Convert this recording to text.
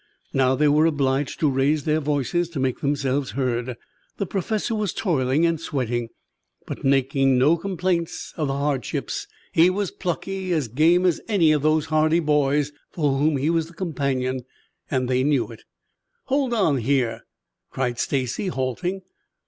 Now they were obliged to raise their voices to make themselves heard. The Professor was toiling and sweating, but making no complaint of the hardships. He was plucky, as game as any of those hardy boys for whom he was the companion, and they knew it. "Hold on here!" cried Stacy, halting.